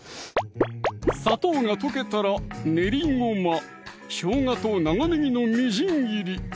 砂糖が溶けたら練りごま・しょうがと長ねぎのみじん切り